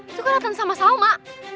itu kan datang sama salma